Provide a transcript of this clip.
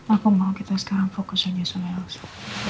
aku mau kita sekarang fokus aja sama elsa